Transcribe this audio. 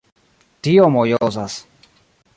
Tio mojosas...